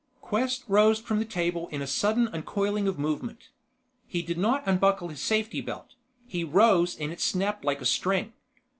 Quest rose from the table in a sudden uncoiling of movement. He did not unbuckle his safety belt he rose and it snapped like a string.